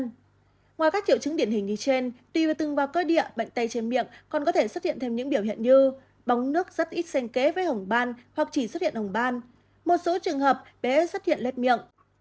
ngoài các triệu chứng điển hình như trên tùy vào từng bào cơ địa bệnh tay trên miệng còn có thể xuất hiện thêm những biểu hiện như bóng nước rất ít sen kẽ với hồng ban hoặc chỉ xuất hiện hồng ban một số trường hợp bés xuất hiện lết miệng